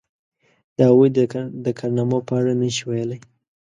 د هغوی د کارنامو په اړه نشي ویلای.